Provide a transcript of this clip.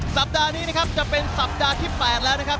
สัปดาห์นี้นะครับจะเป็นสัปดาห์ที่๘แล้วนะครับ